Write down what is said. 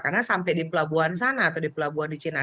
karena sampai di pelabuhan sana atau di pelabuhan di cina sana